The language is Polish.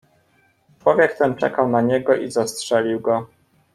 "Człowiek ten czekał na niego i zastrzelił go."